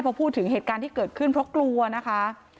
พอพูดถึงเหตุการณ์ที่เกิดขึ้นเพราะกลัวนะคะ